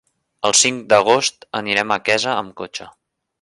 El cinc d'agost anirem a Quesa amb cotxe.